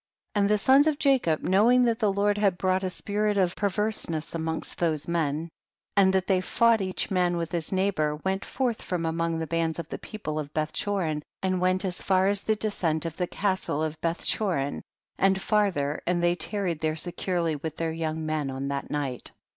6. And the sons of Jacob, know ing that the Lord had brought a spirit of perverseness amongst those men, and that they fought each man with his neighbor, went forth from among the bands of the people of Betlicho rin and went as far as the descent of the castle of Bethchorin, and farther, and they tarried there securely with their young men on that night.